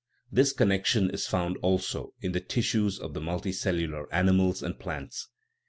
This connection is found, also, in the tissues of the multicellular animals and plants.